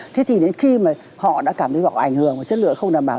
thế thì đến khi mà họ đã cảm thấy họ ảnh hưởng và chất lượng không đảm bảo